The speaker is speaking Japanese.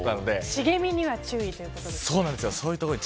茂みには注意ということですね。